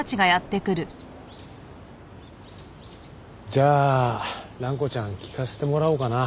じゃあ蘭子ちゃん聞かせてもらおうかな